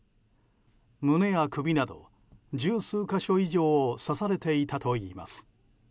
胸や首など十数か所以上を刺されていたといいます。